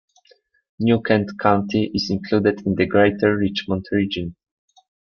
New Kent County is included in the Greater Richmond Region.